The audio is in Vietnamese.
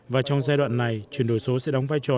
và trong giai đoạn này chuyển đổi số sẽ đóng vai trò